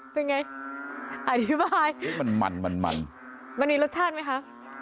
เป็นไงอธิบายมันมันมันมีรสชาติไหมคะ